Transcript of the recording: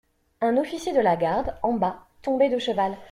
Un officier de la garde, en bas, tombait de cheval.